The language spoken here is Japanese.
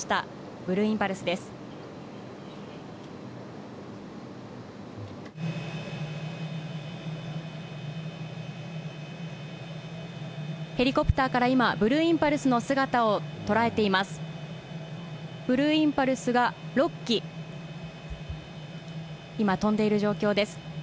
ブルーインパルスが６機、今、飛んでいる状況です。